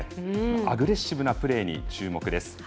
アグレッシブなプレーに注目です。